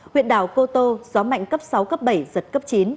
huyện đảo cô tô gió mạnh cấp sáu cấp bảy giật cấp chín